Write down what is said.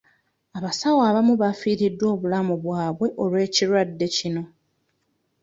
Abasawo abamu baafiriddwa obulamu bwabwe olw'ekirwadde kino.